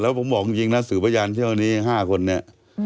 แล้วผมบอกจริงนะสืบบรรยานที่ตอนนี้๕คนนี้